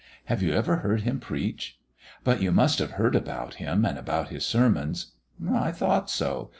Have you ever heard him preach? But you must have heard about him, and about his sermons? I thought so.